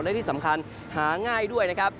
และที่สำคัญหาง่ายด้วยนะครับ